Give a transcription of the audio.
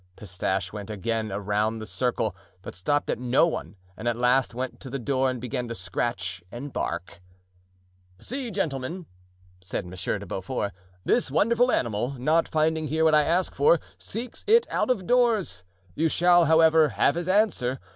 Pistache went again around the circle, but stopped at no one, and at last went to the door and began to scratch and bark. "See, gentlemen," said M. de Beaufort, "this wonderful animal, not finding here what I ask for, seeks it out of doors; you shall, however, have his answer.